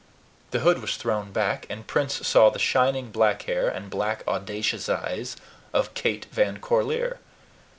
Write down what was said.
The hood was thrown back, and Prince saw the shining black hair and black, audacious eyes of Kate Van Corlear.